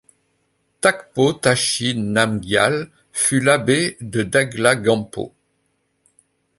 Takpo Tashi Namgyal fut l'abbé de Daglha Gampo.